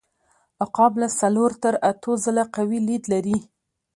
عقاب له څلور تر اتو ځله قوي لید لري.